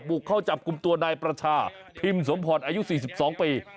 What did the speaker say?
บุกเข้าจับกลุ่มตัวนายประชาพิมพ์สมพรอายุ๔๒ปี